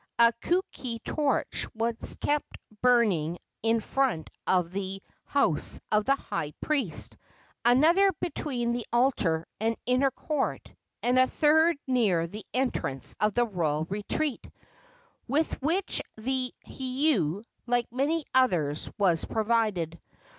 A kukui torch was kept burning in front of the house of the high priest, another between the altar and inner court, and a third near the entrance of the royal retreat, with which that heiau, like many others, was provided.